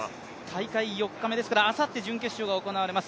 大会４日目ですから、あさって準決勝が行われます。